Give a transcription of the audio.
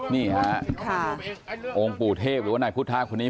นี้ค่ะโหงปู่เทพหรือว่าหน้าผู้ท้ายคนนี้